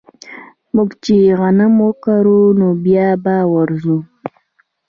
موږ چې غنم وکرو نو بيا به ورځو